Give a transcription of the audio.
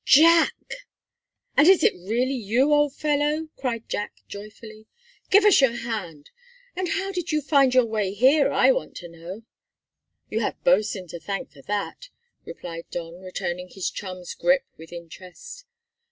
"Jack!" "And is it really you, old fellow?" cried Jack joyfully. "Give us your hand; and how did you find your way here, I want to know?" "You have Bosin to thank for that," replied Don, returning his chum's' grip with interest.